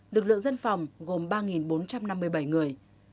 lực lượng dân phòng gồm ba bốn trăm năm mươi bảy người